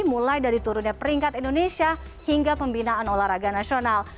mulai dari turunnya peringkat indonesia hingga pembinaan olahraga nasional